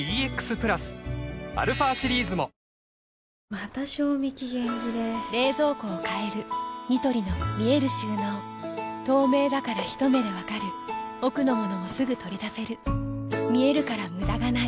また賞味期限切れ冷蔵庫を変えるニトリの見える収納透明だからひと目で分かる奥の物もすぐ取り出せる見えるから無駄がないよし。